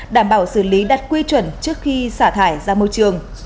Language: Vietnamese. đảm bảo xử lý đặt quy chuẩn trước khi xả thải ra môi trường